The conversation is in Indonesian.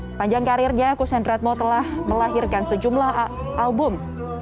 sepanjang karirnya kus hendretmo telah melahirkan sejumlah album